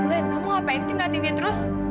glenn kamu ngapain sih nganatin dia terus